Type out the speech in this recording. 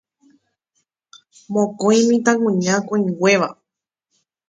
mokõi mitãkuña koĩnguéva.